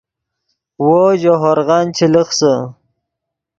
وو ژے ہورغن چے لخسے